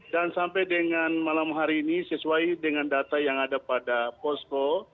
dan sampai dengan malam hari ini sesuai dengan data yang ada pada posko